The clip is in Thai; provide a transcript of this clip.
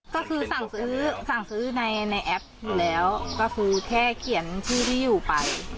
ก็คือสั่งซื้อสั่งซื้อในแอปอยู่แล้วก็คือแค่เขียนที่ที่อยู่ไป